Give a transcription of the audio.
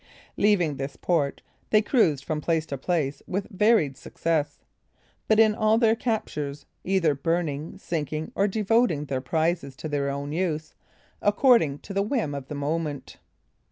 Leaving this port, they cruised from place to place with varied success; but in all their captures, either burning, sinking, or devoting their prizes to their own use, according to the whim of the moment.